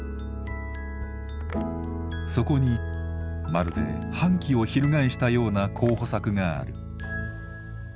そこにまるで反旗を翻したような候補作がある。